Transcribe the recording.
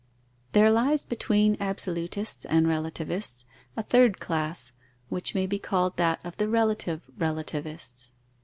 _ There lies, between absolutists and relativists, a third class, which may be called that of the relative relativists.